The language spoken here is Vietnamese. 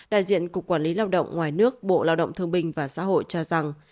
đại diện cục quản lý lao động ngoài nước bộ lao động thương bình và xã hội cho rằng